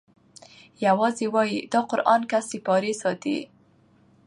یوازی وایي دا قران که سیپارې ساتی